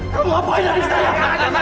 kamu ngapain dengan petri saya